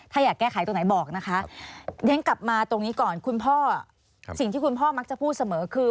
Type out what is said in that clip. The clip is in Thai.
ถ้าอยากแก้ไขตรงไหนบอกนะคะเรียนกลับมาตรงนี้ก่อนคุณพ่อสิ่งที่คุณพ่อมักจะพูดเสมอคือ